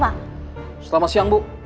pak selamat siang bu